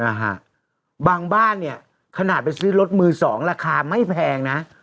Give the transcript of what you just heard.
นะฮะบางบ้านเนี่ยขนาดไปซื้อรถมือสองราคาไม่แพงนะ